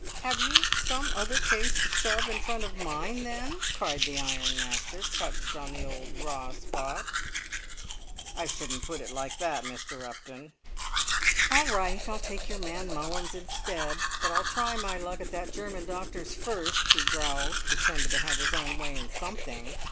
"Have you some other case to shove in front of mine, then?" cried the ironmaster, touched on the old raw spot. "I shouldn't put it like that, Mr. Upton." "All right! I'll take your man Mullins instead; but I'll try my luck at that German doctor's first," he growled, determined to have his own way in something.